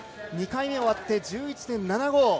２回目が終わって１１．７５。